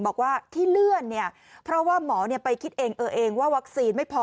บอกว่าที่เลื่อนเนี่ยเพราะว่าหมอไปคิดเองเออเองว่าวัคซีนไม่พอ